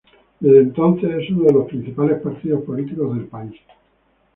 Desde entonces es uno de los principales partidos políticos del país.